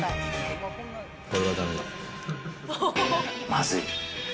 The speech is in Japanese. まずい。